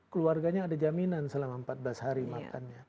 keluarganya ada jaminan selama empat belas hari makannya